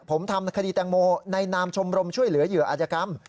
ผมทำคดีแตงโมในนามชมรมช่วยเหลือเหยื่ออาจยกรรม